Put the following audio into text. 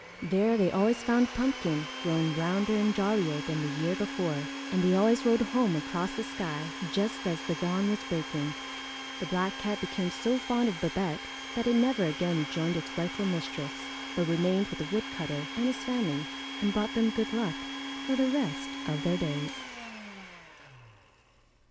There they always found Pumpkin grown rounder and jollier than the year before, and they always rode home across the sky just as the dawn was breaking. The black cat became so fond of Babette that it never again rejoined its rightful mistress, but remained with the woodcutter and his family and brought them good luck for the rest of their days.